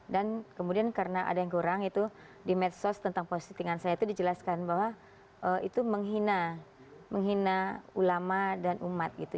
dan kemudian karena ada yang kurang itu di medsos tentang positingan saya itu dijelaskan bahwa itu menghina menghina ulama dan umat gitu